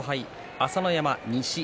朝乃山が西。